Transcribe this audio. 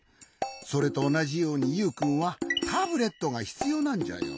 それとおなじようにユウくんはタブレットがひつようなんじゃよ。